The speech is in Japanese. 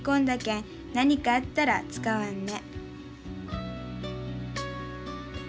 何かあったら使わんね」。